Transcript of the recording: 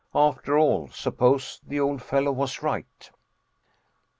After all, suppose the old fellow was right!